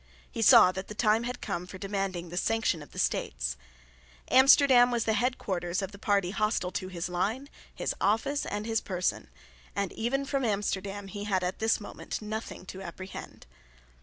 He saw that the time had come for demanding the sanction of the States. Amsterdam was the head quarters of the party hostile to his line, his office, and his person; and even from Amsterdam he had at this moment nothing to apprehend.